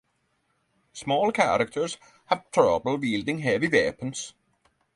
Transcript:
Small characters have trouble wielding heavy weapons.